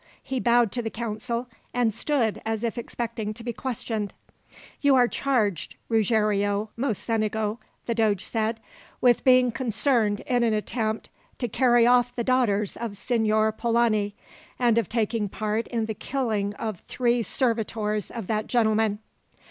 He bowed to the council, and stood as if expecting to be questioned. "You are charged, Ruggiero Mocenigo," the doge said, "with being concerned in an attempt to carry off the daughters of Signor Polani, and of taking part in the killing of three servitors of that gentleman."